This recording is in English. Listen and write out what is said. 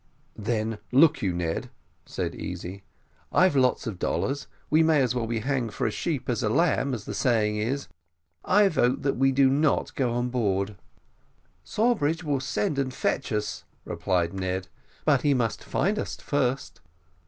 "Then look you, Ned," said Easy; "I've lots of dollars; we may as well be hanged for a sheep as a lamb, as the saying is; I vote that we do not go on board." "Sawbridge will send and fetch us," replied Ned; "but he must find us first."